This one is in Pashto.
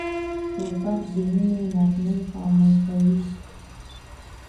توپک د مینې نغمې خاموشوي.